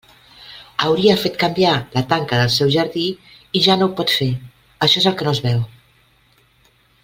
Hauria fet canviar la tanca del seu jardí i ja no ho pot fer, això és el que no es veu.